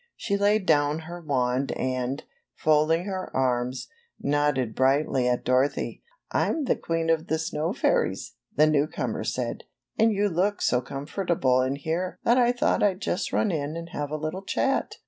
She laid down her wand and, folding her arms, nodded brightly at Dorothy. 'Tm the queen of the snow fairies,'^ the newcomer said, ^^and you looked so comfortable in here that I thought I'd just run in and have a little chat."